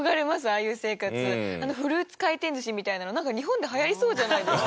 あのフルーツ回転寿司みたいなのなんか日本で流行りそうじゃないですか？